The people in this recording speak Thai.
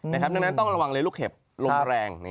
ดังนั้นต้องระวังเลยลูกเห็บลมแรง